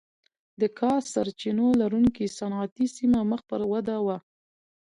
د کا سرچینو لرونکې صنعتي سیمه مخ پر وده وه.